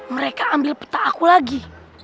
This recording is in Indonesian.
mereka ambil peta aku lagi